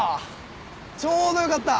・ちょうどよかった！